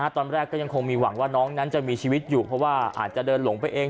ตอนแรกก็ยังคงมีหวังว่าน้องนั้นจะมีชีวิตอยู่เพราะว่าอาจจะเดินหลงไปเอง